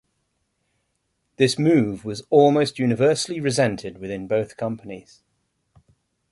This move was almost universally resented within both companies.